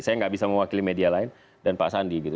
saya nggak bisa mewakili media lain dan pak sandi gitu